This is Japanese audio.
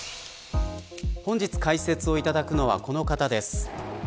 本日、解説をいただくのはこの方です。